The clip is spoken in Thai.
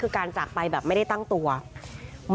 คือตอนที่แม่ไปโรงพักที่นั่งอยู่ที่สพ